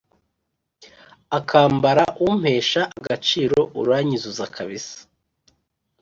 akambara umpesha agaciro, uranyuzuza kabisa